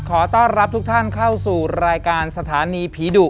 ขอต้อนรับทุกท่านเข้าสู่รายการสถานีผีดุ